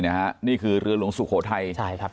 นี่คือเรือหลวงสุโขทัย